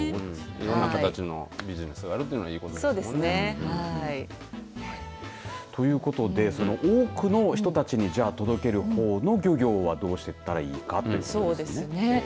いろんな形のビジネスがあるというのはいいことですね。ということで多くの人たちに届ける方の漁業はどうしていったらいいのか。ということですよね。